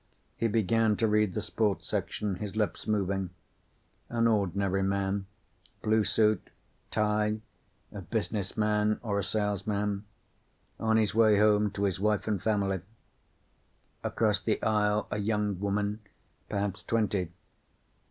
He began to read the sports section, his lips moving. An ordinary man. Blue suit. Tie. A businessman, or a salesman. On his way home to his wife and family. Across the aisle a young woman, perhaps twenty.